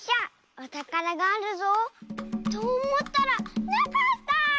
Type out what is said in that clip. おたからがあるぞ。とおもったらなかった！